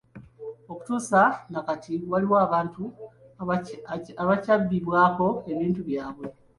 Okutuusa na kati waliwo abantu abakyabbibwako ebintu by’abwe.